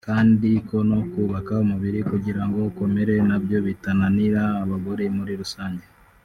kandi ko no kubaka umubiri kugira ngo ukomere na byo bitananira abagore muri rusange